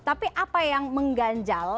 tapi apa yang mengganjal